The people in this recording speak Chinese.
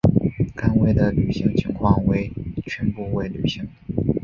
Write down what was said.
甘薇的履行情况为全部未履行。